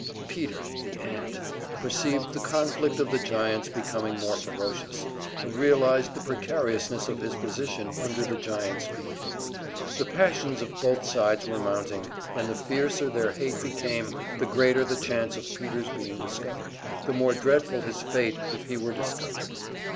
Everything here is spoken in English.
Peter, the ant, perceived the conflict of the giants becoming more ferocious, and realized the precariousness of his position under the giants' feet. The passions of both sides were mounting, and the fiercer their hate became, the greater the chance of Peter's being discovered, the more dreadful his fate if he were discovered.